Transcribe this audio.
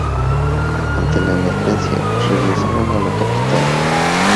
Ante la emergencia, regresaron a la capital.